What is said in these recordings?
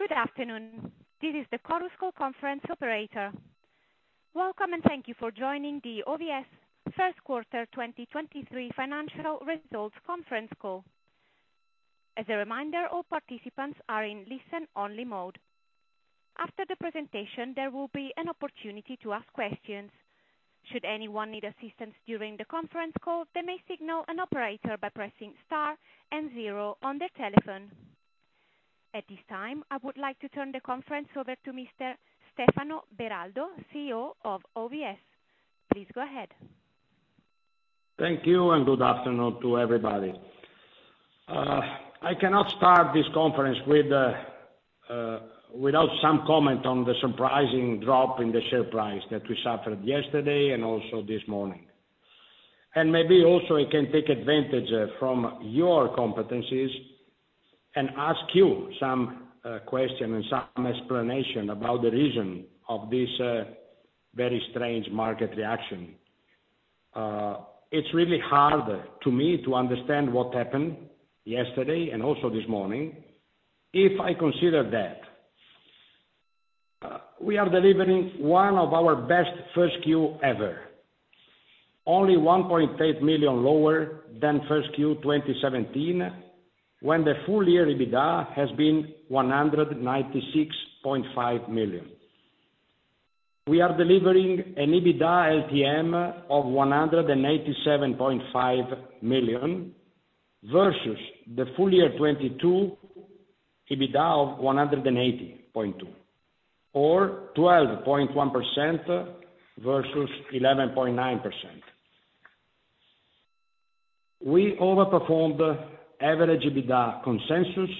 Good afternoon. This is the Chorus call conference operator. Welcome, and thank you for joining the OVS first quarter 2023 financial results conference call. As a reminder, all participants are in listen-only mode. After the presentation, there will be an opportunity to ask questions. Should anyone need assistance during the conference call, they may signal an operator by pressing star and zero on their telephone. At this time, I would like to turn the conference over to Mr. Stefano Beraldo, CEO of OVS. Please go ahead. Thank you, good afternoon to everybody. I cannot start this conference without some comment on the surprising drop in the share price that we suffered yesterday and also this morning. Maybe also I can take advantage from your competencies and ask you some question and some explanation about the reason of this very strange market reaction. It's really hard to me to understand what happened yesterday and also this morning, if I consider that we are delivering one of our best first Q ever. Only 1.8 million lower than first Q 2017, when the full year EBITDA has been 196.5 million. We are delivering an EBITDA LTM of 187.5 million, versus the full year 2022, EBITDA of 180.2 million, or 12.1%, versus 11.9%. We overperformed average EBITDA consensus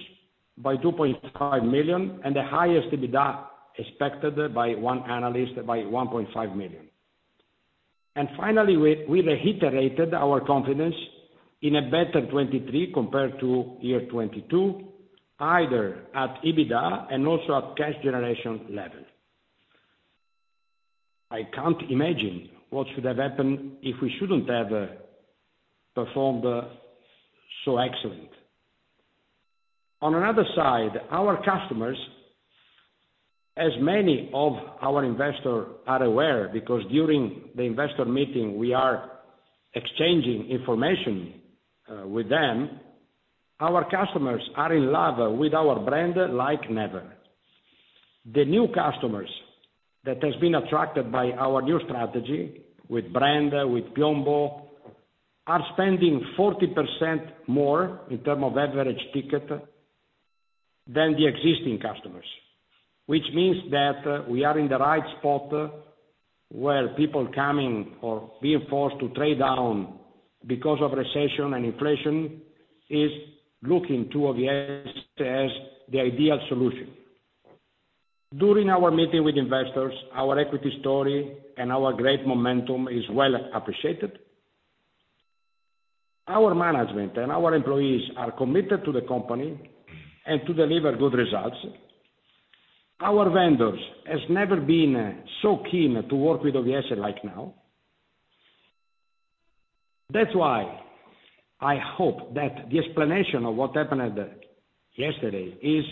by 2.5 million, and the highest EBITDA expected by one analyst by 1.5 million. Finally, we reiterated our confidence in a better 2023 compared to year 2022, either at EBITDA and also at cash generation level. I can't imagine what should have happened if we shouldn't have performed so excellent. On another side, our customers, as many of our investor are aware, because during the investor meeting we are exchanging information with them, our customers are in love with our brand like never. The new customers that has been attracted by our new strategy with brand, with Piombo, are spending 40% more in term of average ticket than the existing customers, which means that we are in the right spot, where people coming or being forced to trade down because of recession and inflation, is looking to OVS as the ideal solution. During our meeting with investors, our equity story and our great momentum is well appreciated. Our management and our employees are committed to the company and to deliver good results. Our vendors has never been so keen to work with OVS like now. I hope that the explanation of what happened yesterday is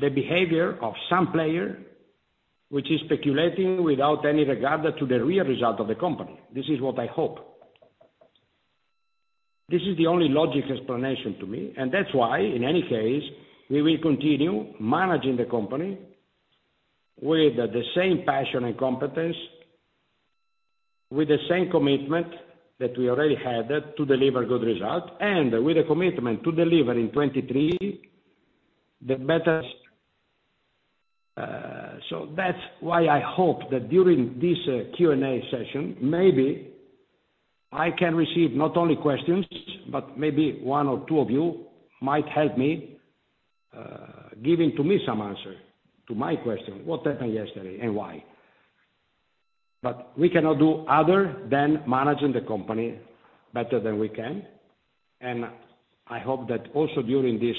the behavior of some player, which is speculating without any regard to the real result of the company. This is what I hope. This is the only logic explanation to me. That's why, in any case, we will continue managing the company with the same passion and competence, with the same commitment that we already had to deliver good result, and with a commitment to deliver in 23, the best. That's why I hope that during this Q&A session, maybe I can receive not only questions, but maybe one or two of you might help me, giving to me some answer to my question, what happened yesterday, and why? We cannot do other than managing the company better than we can, and I hope that also during this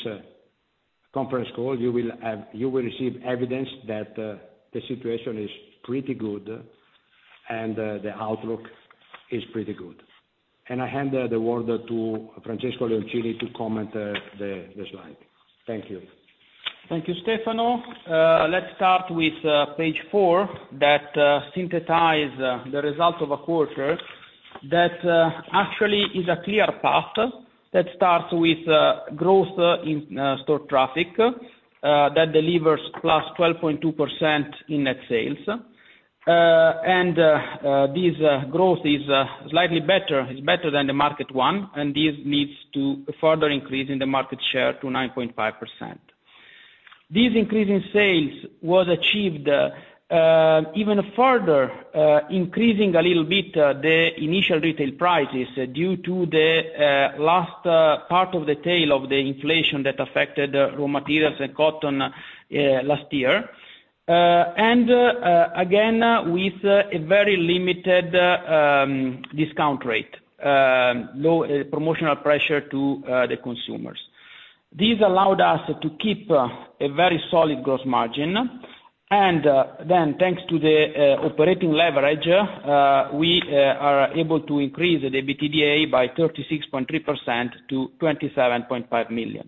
conference call, you will receive evidence that the situation is pretty good, and the outlook is pretty good. I hand the word to Francesco Leoncini to comment the slide. Thank you. Thank you, Stefano. Let's start with page four, that synthesize the result of a quarter that actually is a clear path, that starts with growth in store traffic, that delivers +12.2% in net sales. This growth is slightly better, is better than the market one, and this leads to further increase in the market share to 9.5%. This increase in sales was achieved even further increasing a little bit the initial retail prices due to the last part of the tail of the inflation that affected raw materials and cotton last year. Again, with a very limited discount rate, low promotional pressure to the consumers. This allowed us to keep a very solid gross margin-... Then thanks to the operating leverage, we are able to increase the EBITDA by 36.3% to 27.5 million.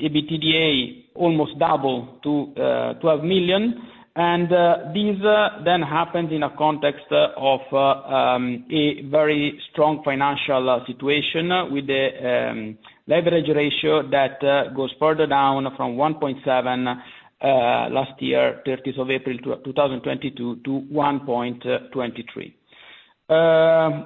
EBITDA almost double to 12 million, and these then happened in a context of a very strong financial situation with the leverage ratio that goes further down from 1.7 last year, 30th of April, 2022 to 1.23.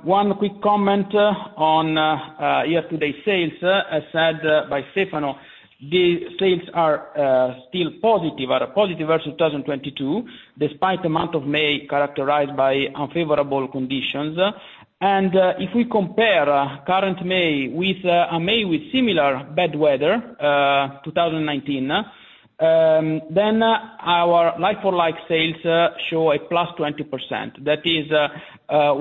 One quick comment on year-to-date sales, as said by Stefano, the sales are still positive, are positive versus 2022, despite the month of May, characterized by unfavorable conditions. If we compare current May with a May with similar bad weather, 2019, then our like-for-like sales show a +20%. That is,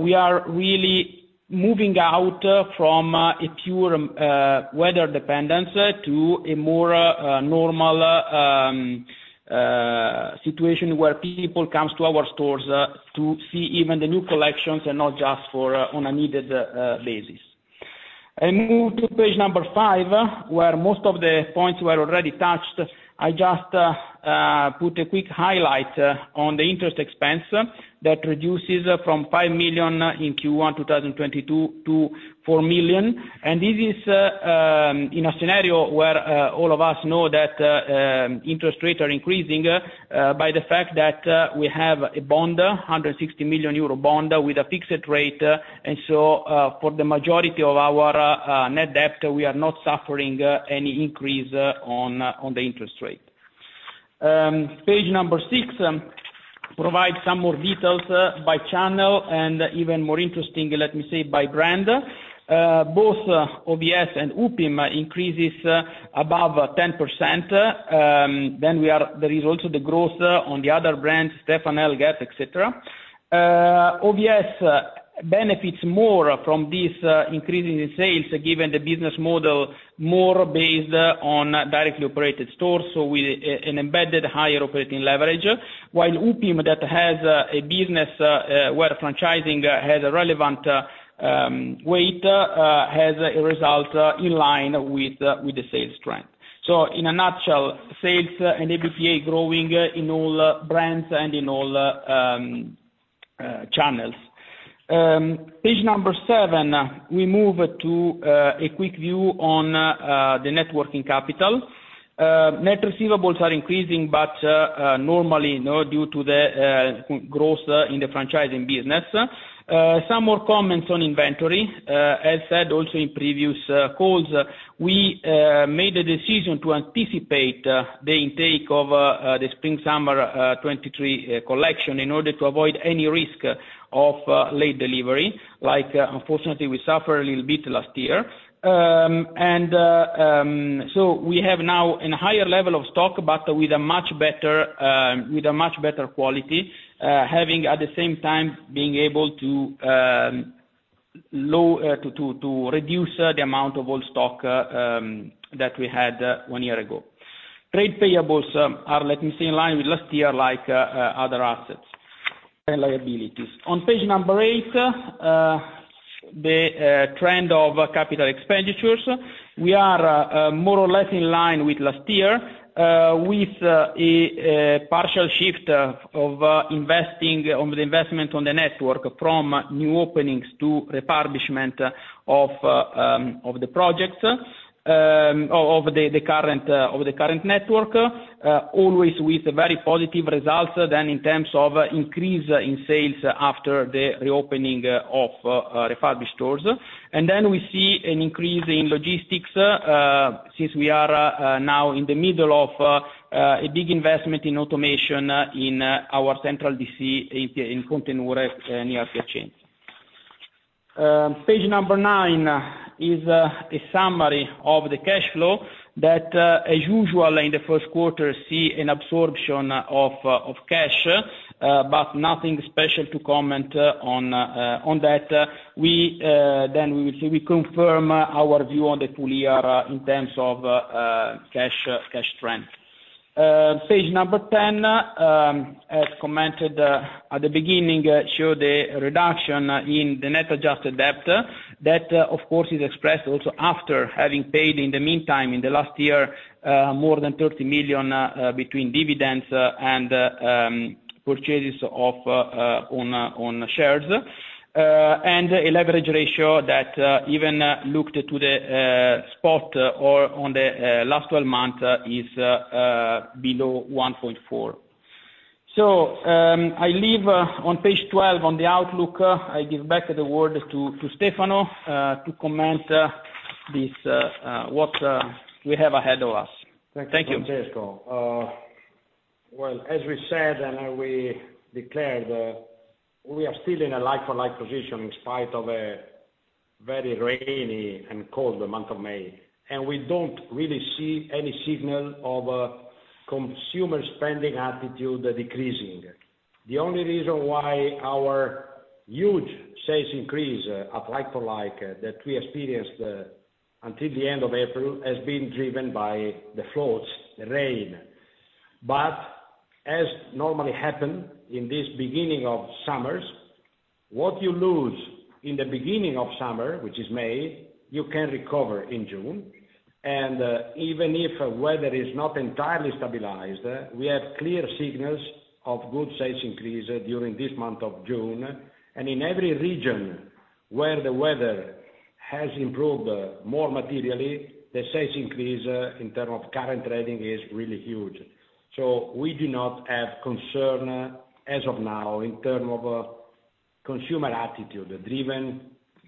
we are really moving out from a pure weather dependence to a more normal situation, where people comes to our stores to see even the new collections and not just for on a needed basis. I move to page five, where most of the points were already touched. I just put a quick highlight on the interest expense that reduces from 5 million in Q1 2022 to 4 million. This is in a scenario where all of us know that interest rates are increasing by the fact that we have a bond, a 160 million euro bond with a fixed rate, for the majority of our net debt, we are not suffering any increase on the interest rate. Page six provide some more details by channel and even more interesting, let me say, by brand. Both OVS and UPIM increases above 10%, there is also the growth on the other brands, Stefanel, Guess, et cetera. OVS benefits more from this increase in sales, given the business model more based on directly operated stores, with an embedded higher operating leverage. While UPIM, that has a business where franchising has a relevant weight, has a result in line with the sales trend. In a nutshell, sales and EBITDA growing in all brands and in all channels. Page number seven, we move to a quick view on the net working capital. Net receivables are increasing, but normally, you know, due to the growth in the franchising business. Some more comments on inventory. As said, also in previous calls, we made the decision to anticipate the intake of the spring/summer 23 collection in order to avoid any risk of late delivery, like unfortunately, we suffer a little bit last year. We have now a higher level of stock, but with a much better quality, having at the same time being able to reduce the amount of old stock that we had one year ago. Trade payables are, let me see, in line with last year, like other assets and liabilities. On page number eight, the trend of capital expenditures. We are more or less in line with last year, with a partial shift of investing on the investment on the network from new openings to refurbishment of the projects of the current network. Always with very positive results than in terms of increase in sales after the reopening of refurbished stores. We see an increase in logistics since we are now in the middle of a big investment in automation in our central DC in Pontenure near Piacenza. Page number nine is a summary of the cash flow that as usual in the first quarter, see an absorption of cash, but nothing special to comment on that. We confirm our view on the full year in terms of cash cash trend. Page number 10, as commented at the beginning, show the reduction in the net adjusted debt. That, of course, is expressed also after having paid in the meantime, in the last year, more than 30 million, between dividends, and purchases of on on shares. A leverage ratio that even looked to the spot or on the last twelve months, is below 1.4. I leave on page 12 on the outlook. I give back the word to Stefano, to comment this what we have ahead of us. Thank you. Thank you, Francesco. Well, as we said, and we declared, we are still in a like-for-like position in spite of a very rainy and cold month of May, and we don't really see any signal of consumer spending attitude decreasing. The only reason why our huge sales increase at like-for-like, that we experienced, until the end of April, has been driven by the floods, the rain. As normally happen in this beginning of summers, what you lose in the beginning of summer, which is May, you can recover in June, and even if weather is not entirely stabilized, we have clear signals of good sales increase during this month of June. In every region where the weather has improved, more materially, the sales increase, in term of current trading, is really huge. We do not have concern as of now in terms of consumer attitude, driven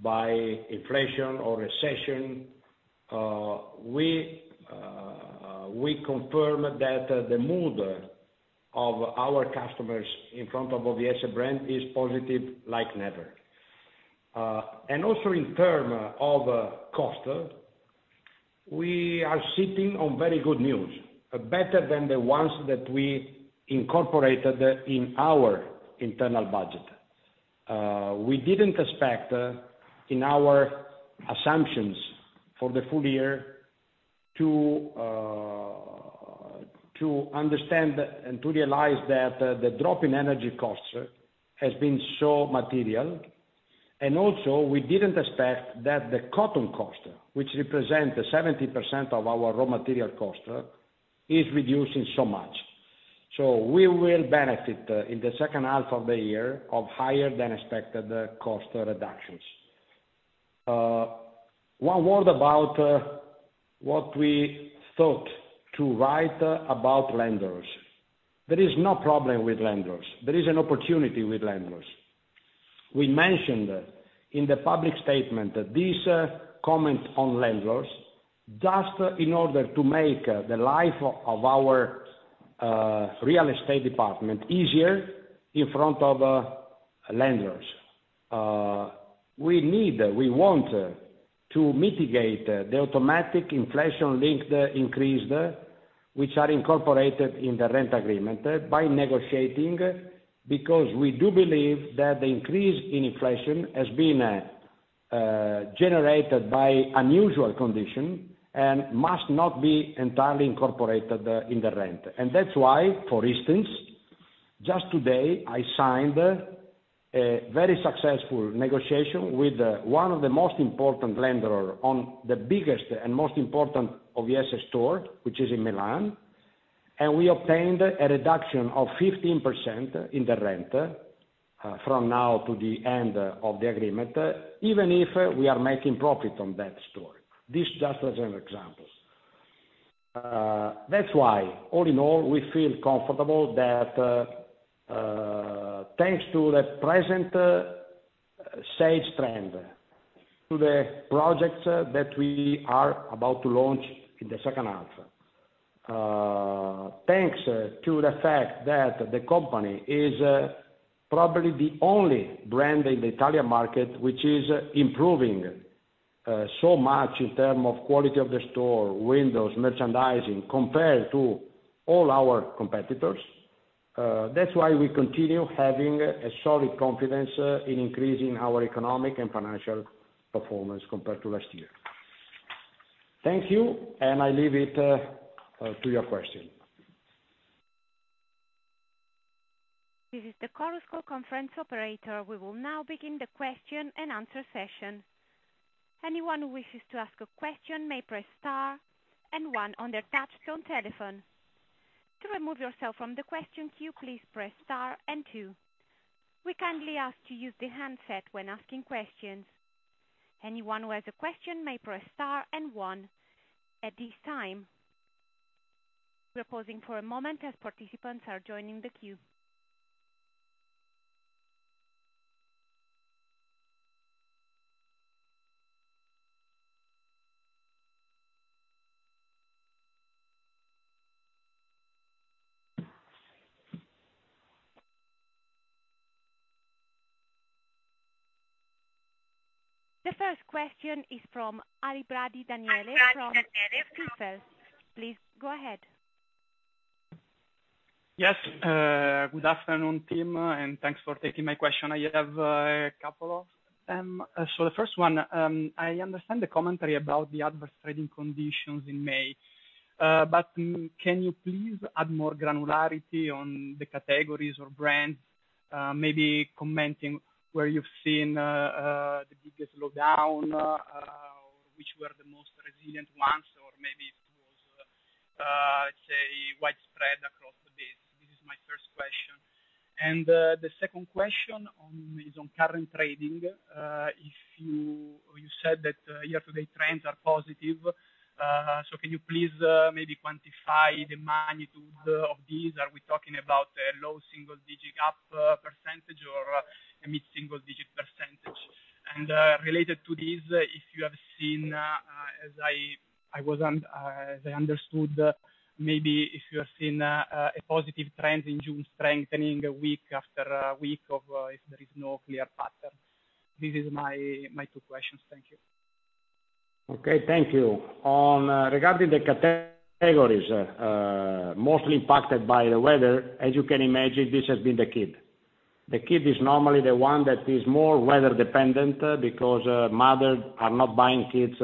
by inflation or recession. We confirm that the mood of our customers in front of OVS brand is positive like never. And also in terms of cost, we are sitting on very good news, better than the ones that we incorporated in our internal budget. We didn't expect in our assumptions for the full year to understand and to realize that the drop in energy costs has been so material. Also we didn't expect that the cotton cost, which represent 70% of our raw material cost, is reducing so much. We will benefit in the second half of the year of higher than expected cost reductions. One word about what we thought to write about lenders. There is no problem with lenders. There is an opportunity with lenders. We mentioned in the public statement that this comment on lenders, just in order to make the life of our real estate department easier in front of lenders. We need, we want to mitigate the automatic inflation-linked increase, which are incorporated in the rent agreement, by negotiating, because we do believe that the increase in inflation has been generated by unusual condition and must not be entirely incorporated in the rent. That's why, for instance, just today, I signed a very successful negotiation with one of the most important lender on the biggest and most important OVS store, which is in Milan, and we obtained a reduction of 15% in the rent from now to the end of the agreement, even if we are making profit on that store. This just as an example. That's why, all in all, we feel comfortable that thanks to the present sales trend, to the projects that we are about to launch in the second half, thanks to the fact that the company is probably the only brand in the Italian market which is improving so much in term of quality of the store, windows, merchandising, compared to all our competitors. That's why we continue having a solid confidence in increasing our economic and financial performance compared to last year. Thank you. I leave it to your question. This is the chorus call conference operator. We will now begin the question and answer session. Anyone who wishes to ask a question may press star and one on their touchtone telephone. To remove yourself from the question queue, please press star and two. We kindly ask to use the handset when asking questions. Anyone who has a question may press star and one. At this time, we're pausing for a moment as participants are joining the queue. The first question is from Daniele Alibrandi from Jefferies. Please go ahead. Yes, good afternoon, team, and thanks for taking my question. I have a couple of them. The first one, I understand the commentary about the adverse trading conditions in May, but can you please add more granularity on the categories or brands, maybe commenting where you've seen the biggest slowdown, or which were the most resilient ones, or maybe it was, say, widespread across the base? This is my first question. The second question is on current trading. If you said that year-to-date trends are positive. Can you please maybe quantify the magnitude of these? Are we talking about a low single-digit Gap percentage or a mid-single-digit percentage? Related to this, if you have seen, as I understood, maybe if you have seen a positive trend in June, strengthening week after week, or if there is no clear pattern? This is my two questions. Thank you. Okay, thank you. Regarding the categories mostly impacted by the weather, as you can imagine, this has been the kid. The kid is normally the one that is more weather dependent because mothers are not buying kids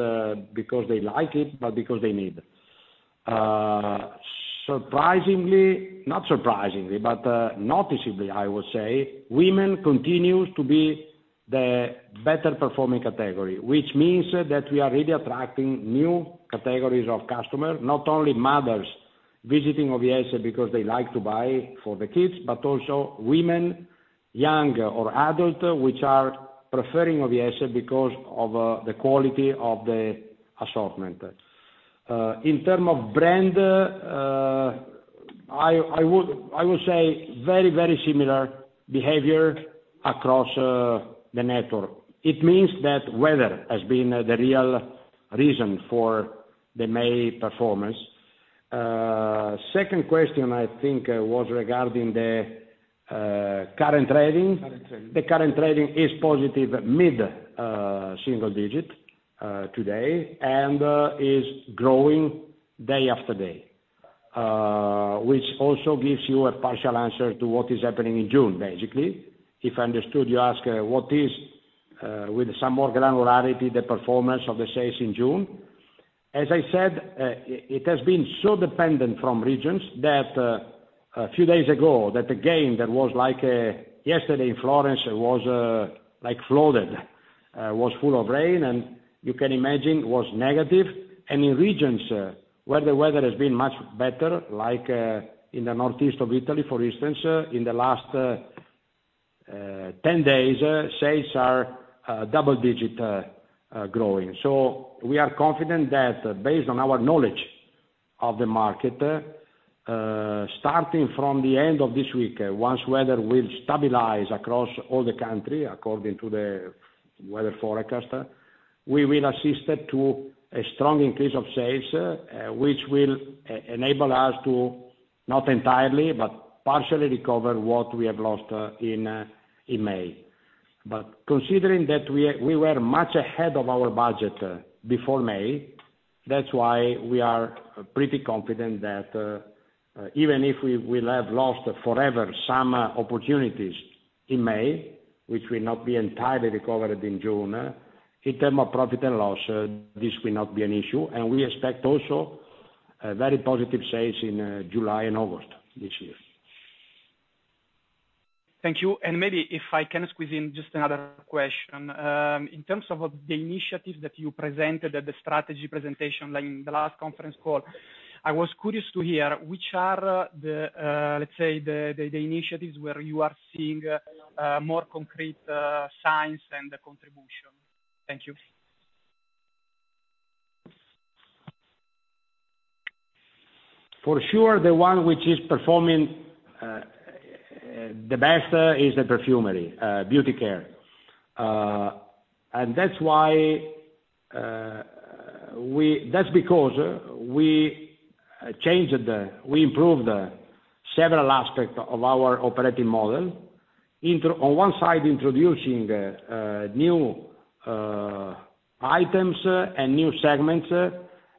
because they like it, but because they need. Surprisingly, not surprisingly, but noticeably, I would say, women continues to be the better performing category, which means that we are really attracting new categories of customer, not only mothers visiting OVS because they like to buy for the kids, but also women, young or adult, which are preferring OVS because of the quality of the assortment. In terms of brand, I would say very, very similar behavior across the network. It means that weather has been the real reason for the May performance. Second question, I think, was regarding the current trading? Current trading. The current trading is positive mid single digit today, and is growing day after day. Which also gives you a partial answer to what is happening in June, basically. If I understood, you ask what is with some more granularity, the performance of the sales in June? As I said, it has been so dependent from regions that a few days ago, that the gain that was like yesterday in Florence was like flooded, was full of rain, and you can imagine was negative. In regions where the weather has been much better, like in the northeast of Italy, for instance, in the last 10 days, sales are double digit growing. We are confident that based on our knowledge of the market, starting from the end of this week, once weather will stabilize across all the country, according to the weather forecast, we will assist it to a strong increase of sales, which will enable us to, not entirely, but partially recover what we have lost, in May. Considering that we were much ahead of our budget, before May, that's why we are pretty confident that, even if we will have lost forever some opportunities in May, which will not be entirely recovered in June, in term of profit and loss, this will not be an issue, and we expect also very positive sales in July and August this year. Thank you. Maybe if I can squeeze in just another question. In terms of the initiatives that you presented at the strategy presentation, like in the last conference call, I was curious to hear which are, let's say, the initiatives where you are seeing more concrete signs and the contribution? Thank you. For sure, the one which is performing the best, is the perfumery, beauty care. That's why we. That's because we changed, we improved several aspects of our operating model. On one side, introducing new items and new segments,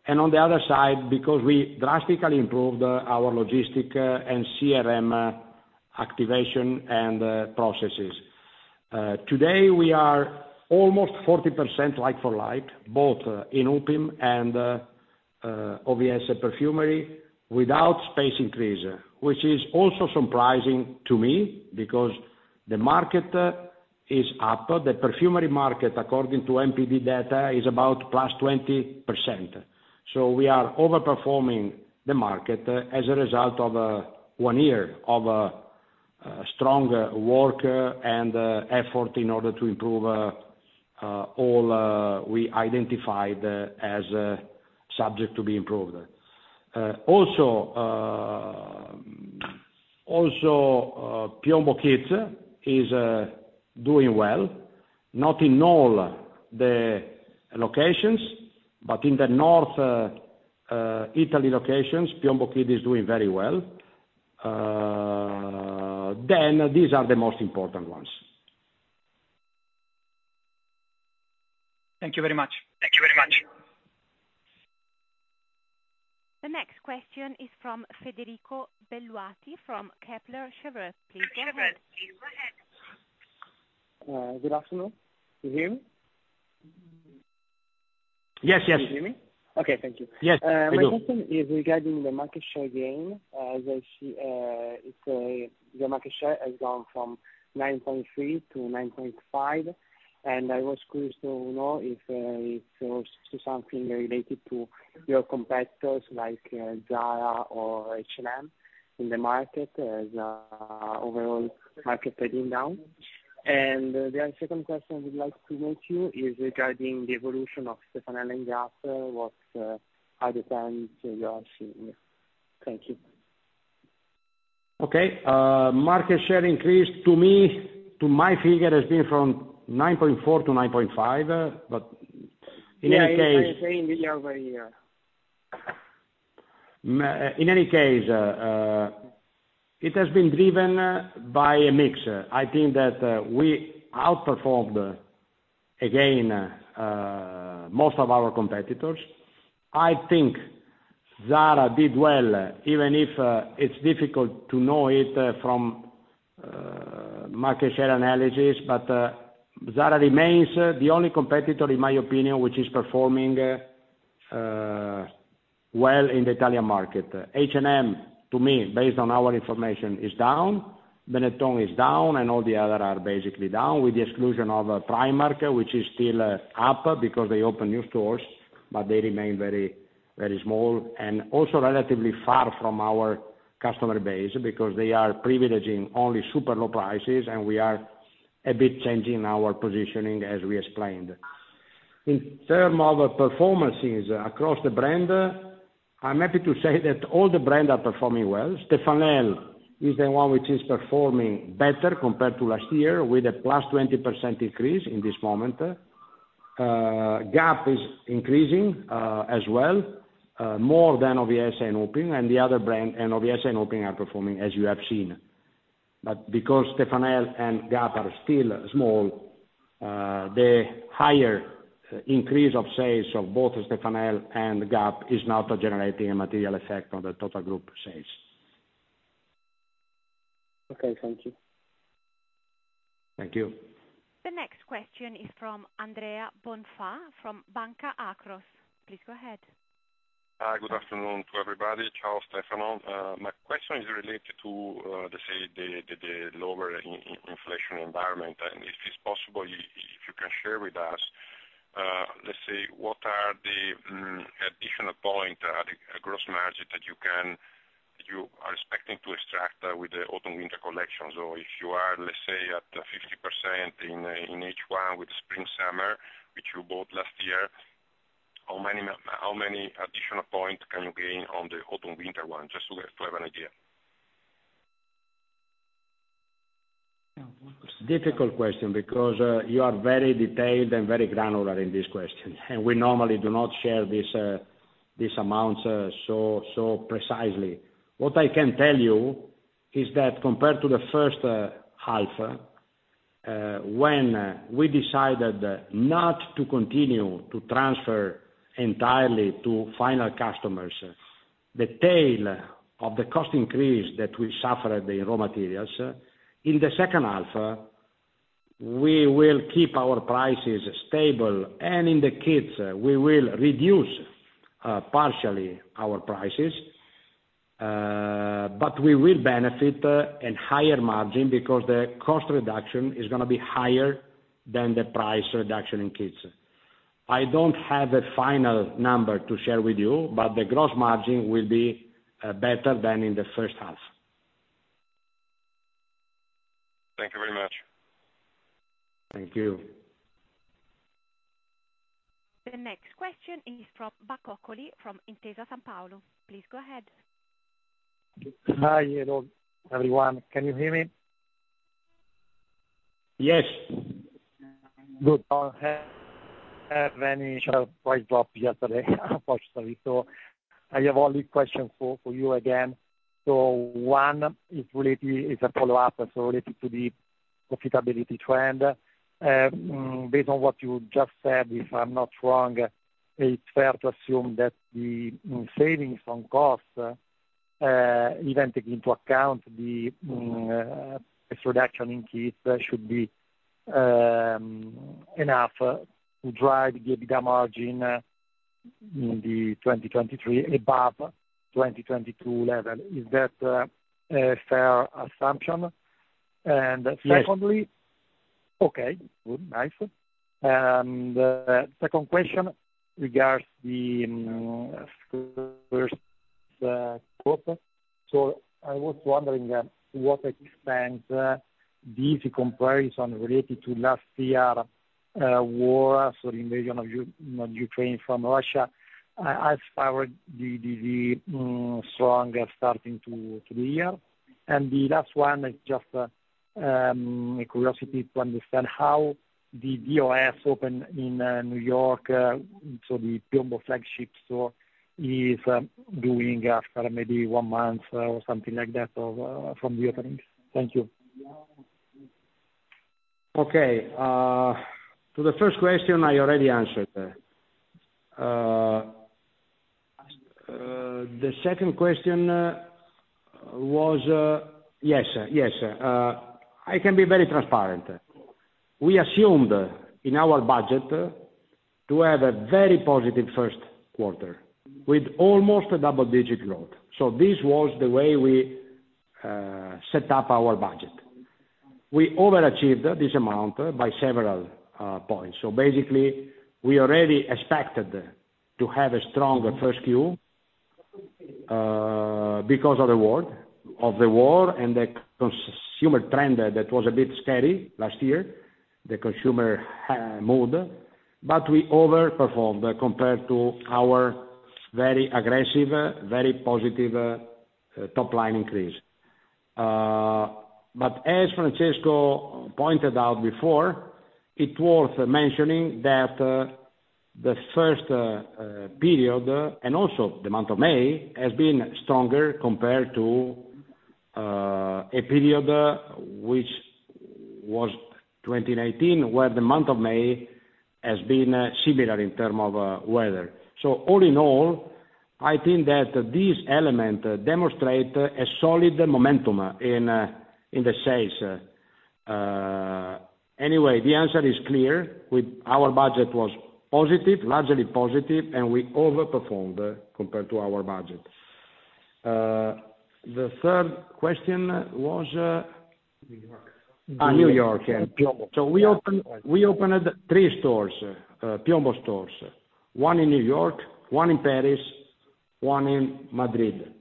and on the other side, because we drastically improved our logistic and CRM activation and processes. Today, we are almost 40% like-for-like, both in UPIM and OVS Perfumery, without space increase, which is also surprising to me, because the market is up. The perfumery market, according to NPD data, is about +20%. We are overperforming the market as a result of one year of strong work and effort in order to improve all we identified as subject to be improved. Also, Piombo Kids is doing well, not in all the locations, but in the North Italy locations, Piombo Kids is doing very well. These are the most important ones. Thank you very much. Thank you very much. The next question is from Federico Belluati from Kepler Cheuvreux. Please go ahead. Good afternoon. You hear me? Yes, yes. Can you hear me? Okay. Thank you. Yes. My question is regarding the market share gain. As I see, it's your market share has gone from 9.3% to 9.5%, and I was curious to know if it was something related to your competitors, like Zara or H&M in the market, as overall market heading down. The second question I would like to ask you is regarding the evolution of Stefanel and Gap, what are the trends you are seeing? Thank you. Okay. market share increase, to me, to my figure, has been from 9.4 to 9.5. in any case... Yeah, I saying the over a year.... in any case, it has been driven by a mix. I think that we outperformed, again, most of our competitors. I think Zara did well, even if it's difficult to know it from market share analysis. But Zara remains the only competitor, in my opinion, which is performing well in the Italian market. H&M, to me, based on our information, is down, Benetton is down, and all the other are basically down, with the exclusion of Primark, which is still up because they opened new stores, but they remain very, very small and also relatively far from our customer base, because they are privileging only super low prices, and we are a bit changing our positioning, as we explained. In term of performances across the brand, I'm happy to say that all the brand are performing well. Stefanel is the one which is performing better compared to last year, with a plus 20% increase in this moment. Gap is increasing as well more than OVS and UPIM, and the other brand, and OVS and UPIM are performing as you have seen. Because Stefanel and Gap are still small, the higher increase of sales of both Stefanel and Gap is not generating a material effect on the total group sales. Okay, thank you. Thank you. The next question is from Andrea Bonfà from Banca Akros. Please go ahead. Hi, good afternoon to everybody. Ciao, Stefano. My question is related to, say, the lower inflation environment. If it's possible, if you can share with us, let's say, what are the additional point the gross margin that you are expecting to extract with the autumn, winter collections? If you are, let's say, at 50% in each one with spring, summer, which you bought last year, how many additional points can you gain on the autumn, winter one, just so we, to have an idea? Difficult question, because you are very detailed and very granular in this question, and we normally do not share this, these amounts, so precisely. What I can tell you is that compared to the first half, when we decided not to continue to transfer entirely to final customers the tail of the cost increase that we suffered in raw materials, in the second half, we will keep our prices stable. In the kids, we will reduce partially our prices. We will benefit in higher margin because the cost reduction is gonna be higher than the price reduction in kids. I don't have a final number to share with you, but the gross margin will be better than in the first half. Thank you very much. Thank you. The next question is from Bacoccoli from Intesa Sanpaolo. Please go ahead. Hi, hello, everyone. Can you hear me? Yes. Good. I have any share price drop yesterday, unfortunately, so I have only questions for you again. One is related, is a follow-up, so related to the profitability trend. Based on what you just said, if I'm not wrong, it's fair to assume that the savings on costs, even taking into account the price reduction in kids, should be enough to drive the EBITDA margin in the 2023 above 2022 level. Is that a fair assumption? Secondly- Yes. Okay, good. Nice. Second question regards the first quarter. I was wondering what extent the easy comparison related to last year war, the invasion of Ukraine from Russia, I've favored the stronger starting to the year. The last one is just a curiosity to understand how the DOS open in New York, so the Piombo flagship store is doing after maybe one month or something like that or from the openings. Thank you. Okay. To the first question, I already answered. The second question. Yes, yes, I can be very transparent. We assumed in our budget to have a very positive first quarter, with almost a double-digit growth. This was the way we set up our budget. We overachieved this amount by several points. Basically, we already expected to have a stronger first Q, because of the war, and the consumer trend, that was a bit scary last year, the consumer mood, but we overperformed compared to our very aggressive, very positive, top line increase. As Francesco pointed out before, it's worth mentioning that the first period, and also the month of May, has been stronger compared to a period which was 2019, where the month of May has been similar in term of weather. All in all, I think that this element demonstrate a solid momentum in the sales. The answer is clear, with our budget was positive, largely positive, and we overperformed compared to our budget. The third question was? New York. New York and Piombo. We opened three stores, Piombo stores, one in New York, one in Paris, one in Madrid.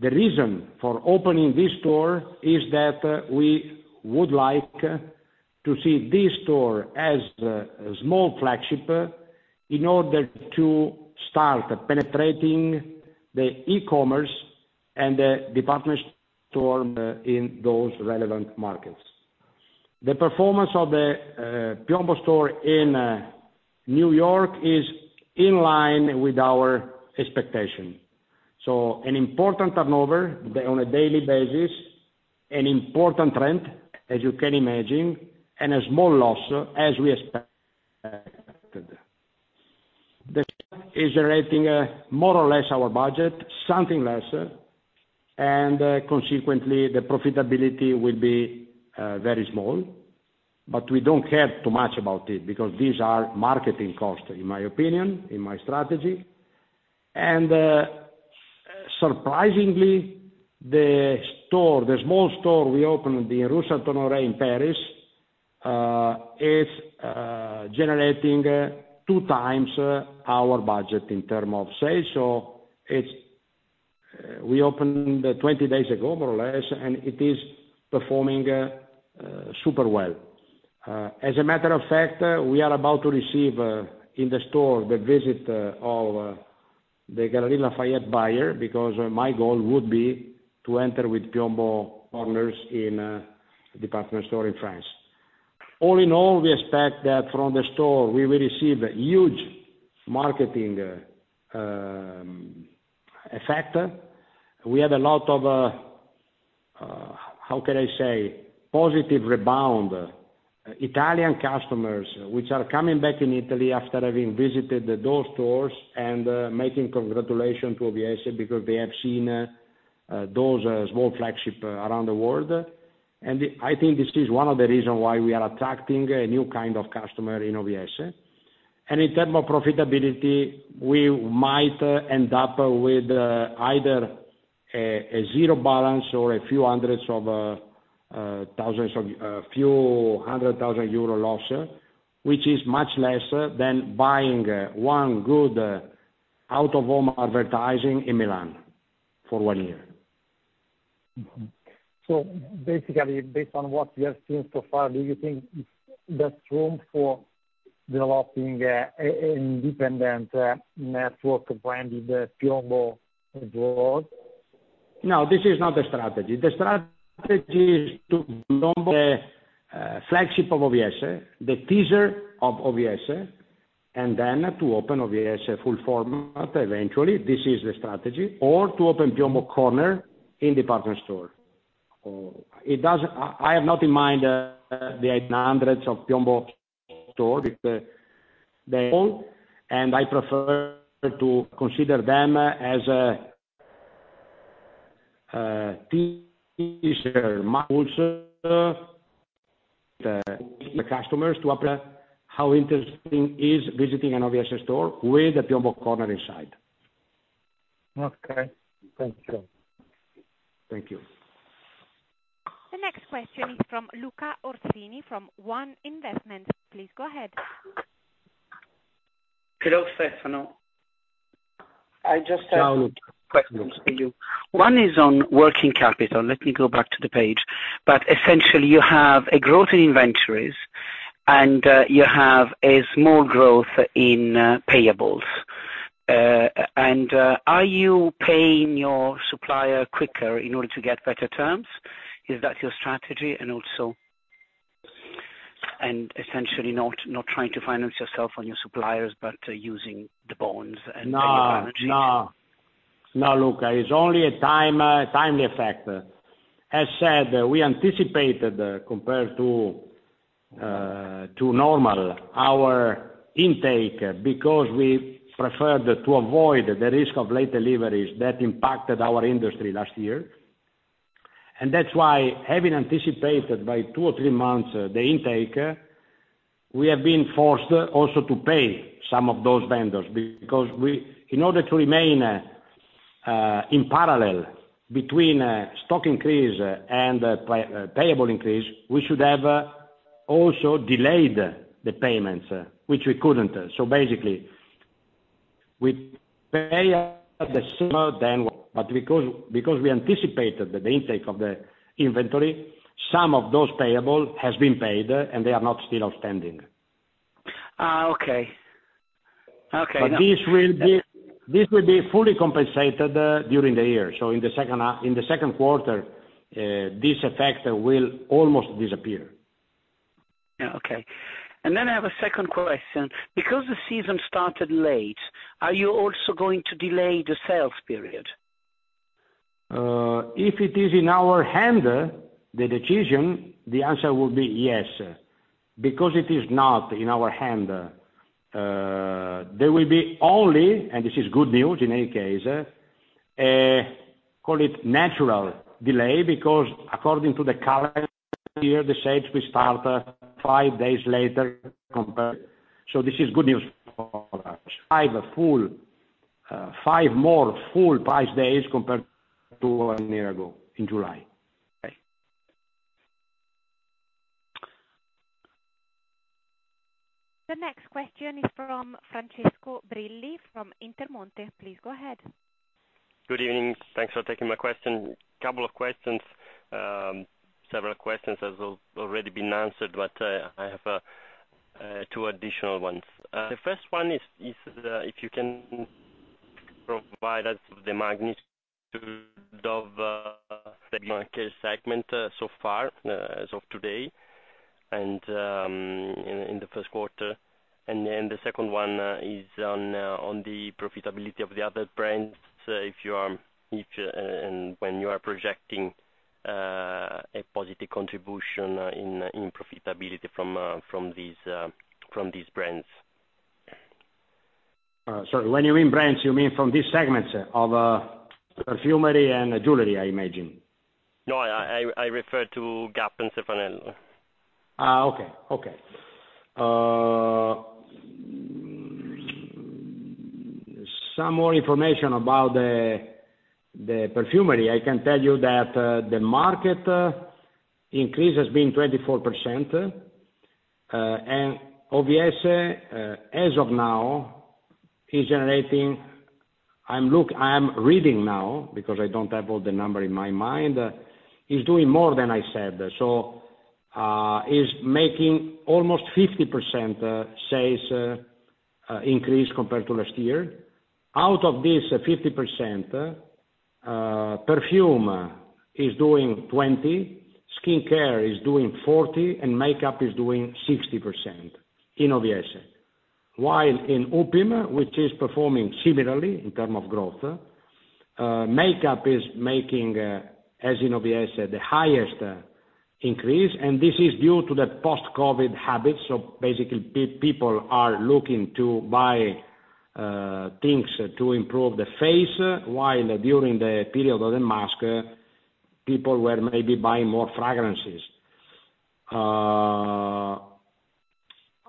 The reason for opening this store is that we would like to see this store as a small flagship in order to start penetrating the e-commerce and the department store in those relevant markets. The performance of the Piombo store in New York is in line with our expectation. An important turnover on a daily basis, an important trend, as you can imagine, and a small loss, as we expected. The is generating more or less our budget, something less, and consequently, the profitability will be very small, but we don't care too much about it, because these are marketing costs, in my opinion, in my strategy. Surprisingly, the store, the small store we opened in Rue Saint-Honoré in Paris, is generating two times our budget in terms of sales. We opened 20 days ago, more or less, and it is performing super well. As a matter of fact, we are about to receive in the store the visit of the Galeries Lafayette buyer, because my goal would be to enter with Piombo partners in department store in France. All in all, we expect that from the store, we will receive a huge marketing effect. We have a lot of, how can I say? Positive rebound. Italian customers, which are coming back in Italy after having visited those stores and making congratulations to OVS because they have seen those small flagship around the world. I think this is one of the reason why we are attracting a new kind of customer in OVS. In term of profitability, we might end up with either a zero balance or a few 100,000 euro loss, which is much less than buying one good out-of-home advertising in Milan for one year. Basically, based on what we have seen so far, do you think there's room for developing a independent network of branded Piombo abroad? No, this is not the strategy. The strategy is to build the flagship of OVS, the teaser of OVS, and then to open OVS full format eventually, this is the strategy, or to open Piombo corner in department store. I have not in mind the hundreds of Piombo stores, then, and I prefer to consider them as a teaser... the customers to apply how interesting is visiting an OVS store with a Piombo corner inside. Okay. Thank you. Thank you. The next question is from Luca Orsini, from One Investments. Please go ahead. Hello, Stefano. Ciao, Luca. -questions to you. One is on working capital. Let me go back to the page. Essentially, you have a growth in inventories, and you have a small growth in payables. Are you paying your supplier quicker in order to get better terms? Is that your strategy? Also... Essentially not trying to finance yourself on your suppliers, but using the bonds and- No, no. Luca, it's only a time effect. As said, we anticipated, compared to normal, our intake, because we preferred to avoid the risk of late deliveries that impacted our industry last year. That's why, having anticipated by two or three months the intake, we have been forced also to pay some of those vendors, because in order to remain in parallel between stock increase and payable increase, we should have also delayed the payments, which we couldn't. Basically, we pay the similar than, but because we anticipated the intake of the inventory, some of those payable has been paid, they are not still outstanding. Okay. This will be fully compensated, during the year. In the second quarter, this effect will almost disappear. Yeah. Okay. Then I have a second question: Because the season started late, are you also going to delay the sales period? If it is in our hand, the decision, the answer will be yes. It is not in our hand, there will be only, and this is good news in any case, call it natural delay, because according to the current year, the sales will start, five days later compared... This is good news for us. Five full, five more full price days compared to a year ago, in July. Okay. The next question is from Francesco Brilli, from Intermonte. Please go ahead. Good evening. Thanks for taking my question. Couple of questions. Several questions has already been answered, but I have two additional ones. The first one is if you can provide us the magnitude of the market segment so far as of today, and in the first quarter. The second one is on the profitability of the other brands, if you are and when you are projecting a positive contribution in profitability from these brands. When you mean brands, you mean from these segments, of perfumery and jewelry, I imagine? No, I refer to Gap and Stefanel. Okay, okay. Some more information about the perfumery. I can tell you that the market increase has been 24%, and OVS, as of now, is generating is doing more than I said. Is making almost 50% sales increase compared to last year. Out of this 50%, perfume is doing 20%, skincare is doing 40%, and makeup is doing 60% in OVS. In UPIM, which is performing similarly in term of growth, makeup is making, as in OVS, the highest increase, and this is due to the post-COVID habits. Basically, people are looking to buy things to improve the face, while during the period of the mask, people were maybe buying more fragrances.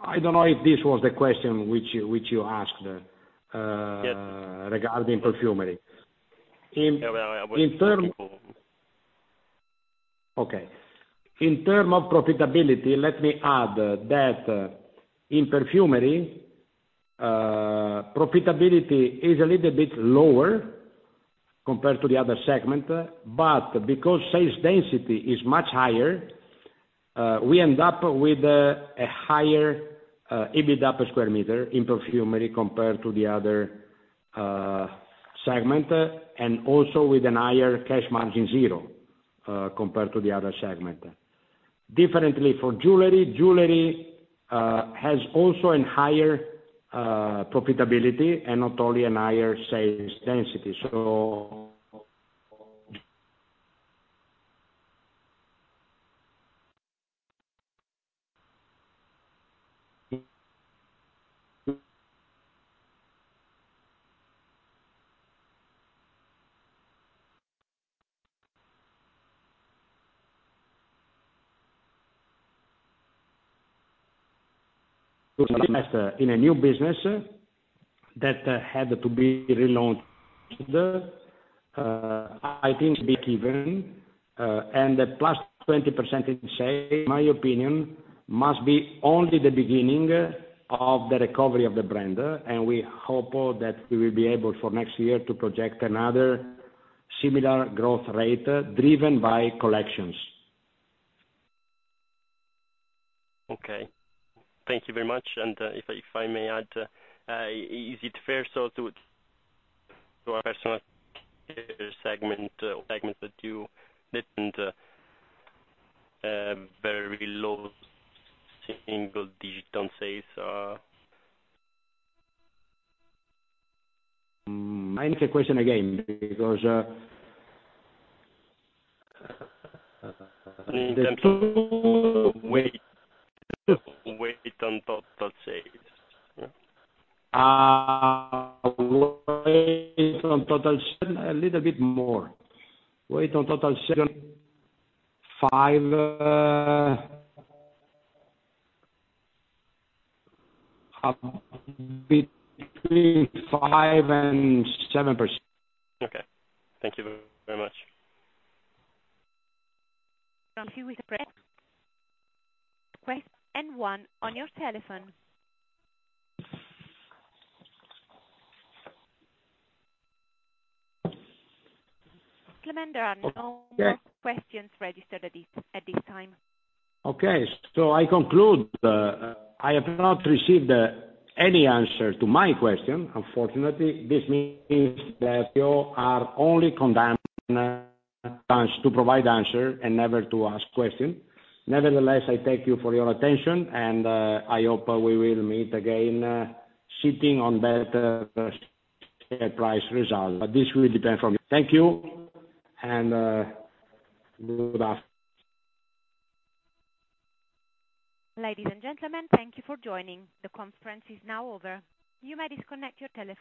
I don't know if this was the question which you asked? Yes... regarding perfumery. In term of profitability, let me add, that in perfumery, profitability is a little bit lower compared to the other segment. Because sales density is much higher, we end up with a higher EBITDA per square meter in perfumery, compared to the other segment, and also with an higher cash margin zero, compared to the other segment. Differently for jewelry has also an higher profitability and not only an higher sales density. In a new business, that had to be relaunched, I think be even, and the +20% in say, in my opinion, must be only the beginning of the recovery of the brand, and we hope that we will be able for next year to project another similar growth rate, driven by collections. Okay. Thank you very much. If I may add, is it fair, so to our personal segment that you didn't, very low single digit on sales? Ask the question again, because, Weight on total sales? Weight on total sale, a little bit more. Weight on total sale, five, between 5% and 7%. Okay, thank you very much. One on your telephone. Clement, there are no more questions registered at this time. Okay. I conclude, I have not received, any answer to my question, unfortunately. This means that you are only condemned, to provide answer and never to ask questions. Nevertheless, I thank you for your attention, and, I hope we will meet again, sitting on better, price results, but this will depend from you. Thank you, and, good after-. Ladies and gentlemen, thank you for joining. The conference is now over. You may disconnect your telephones.